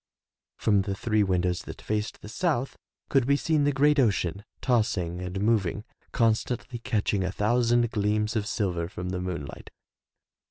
From the three windows that faced the south could be seen the great ocean, tossing and moving, constantly catching a thousand gleams of silver from the moon light.